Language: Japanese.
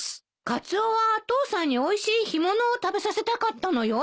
カツオは父さんにおいしい干物を食べさせたかったのよ。